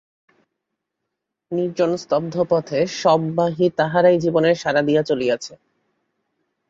নির্জন স্তব্ধ পথে শববাহী তাহারাই জীবনের সাড়া দিয়া চলিয়াছে।